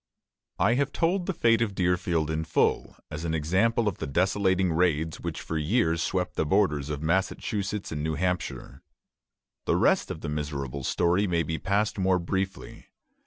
I have told the fate of Deerfield in full, as an example of the desolating raids which for years swept the borders of Massachusetts and New Hampshire. The rest of the miserable story may be passed more briefly.